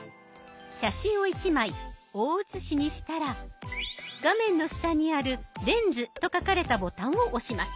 写真を１枚大写しにしたら画面の下にある「レンズ」と書かれたボタンを押します。